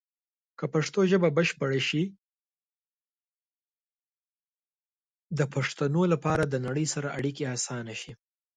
که پښتو ژبه بشپړه شي، د پښتنو لپاره د نړۍ سره اړیکې اسانه شي.